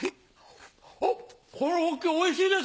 おっこのホッケおいしいです！